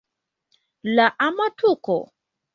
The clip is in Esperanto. La amo-tuko?